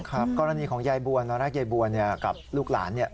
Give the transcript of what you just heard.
ครับกรณีของยายบวนรักยายบวนเนี่ยกับลูกหลานเนี่ย